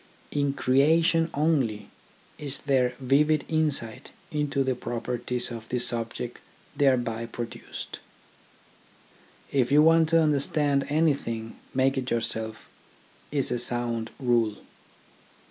In crea tion only is there vivid insight into the properties of the object thereby produced. If you want to understand anything, make it yourself, is a sound rule.